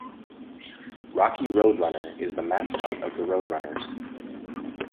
Rocky RoadRunner is the mascot of the RoadRunners.